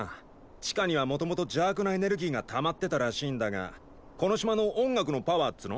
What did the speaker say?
地下にはもともと邪悪なエネルギーがたまってたらしいんだがこの島の音楽のパワーっつの？